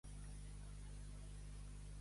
Ser dels de la xàquera vella.